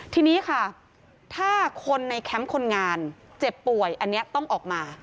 ทีนี้ค่ะถ้าคนในแคมป์คนงานเจ็บป่วยอันนี้ต้องออกมา